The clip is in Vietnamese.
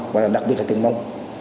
và đặc biệt là tiếng mông